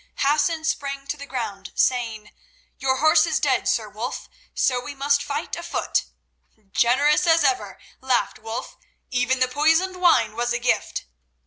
Hassan sprang to the ground, saying: "Your horse is dead, Sir Wulf, so we must fight afoot." "Generous as ever," laughed Wulf. "Even the poisoned wine was a gift!"